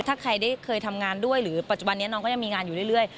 ถ้าใครได้เคยทำงานด้วยหรือปัจจุบันนี้น้องก็ยังมีงานอยู่เรื่อย